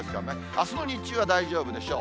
あすの日中は大丈夫でしょう。